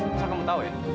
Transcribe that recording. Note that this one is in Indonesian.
masalah kamu tau ya